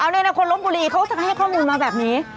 นี่นะคนลบบุรีเขาให้ข้อมูลมาแบบนี้